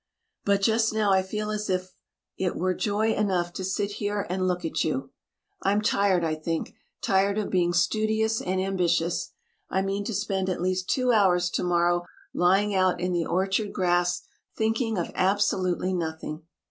But just now I feel as if it were joy enough to sit here and look at you. I'm tired, I think tired of being studious and ambitious. I mean to spend at least two hours tomorrow lying out in the orchard grass, thinking of absolutely nothing."